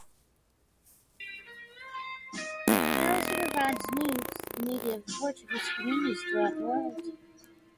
It also provides news to the media of the Portuguese communities throughout the world.